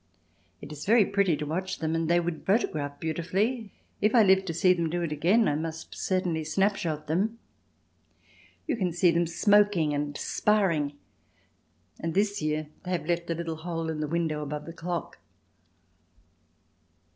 It is very pretty to watch them and they would photograph beautifully. If I live to see them do it again I must certainly snapshot them. You can see them smoking and sparring, and this year they have left a little hole in the window above the clock.